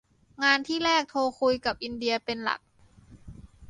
งานที่แรกโทรคุยกับอินเดียเป็นหลัก